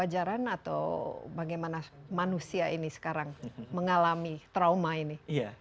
apakah itu adalah kewajaran atau bagaimana manusia ini sekarang mengalami trauma ini